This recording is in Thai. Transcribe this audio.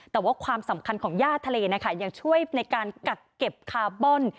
แต่ว่าความสำคัญของย่าทะเลนะคะยังช่วยในการกักเก็บคาร์บอน